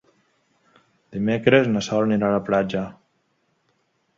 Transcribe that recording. Dimecres na Sol irà a la platja.